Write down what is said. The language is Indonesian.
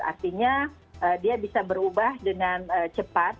artinya dia bisa berubah dengan cepat